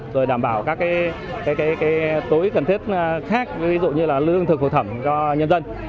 rồi đảm bảo các tối cần thiết khác ví dụ như là lương thực phổ thẩm cho nhân dân